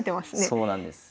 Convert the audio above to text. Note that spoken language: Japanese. そうなんです。